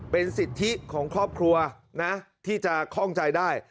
เป็นสิทธิของครอบครัวนะที่จะคล่องใจได้